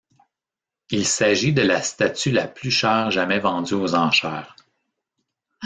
Il s’agit de la statue la plus chère jamais vendue aux enchères.